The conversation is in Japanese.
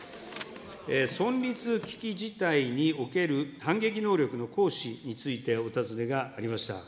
存立危機事態における反撃能力の行使についてお尋ねがありました。